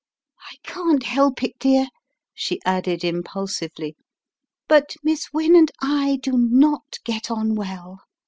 I can't help it, dear/ 9 she added, impul sively, "but Miss Wynne and I do not get on well.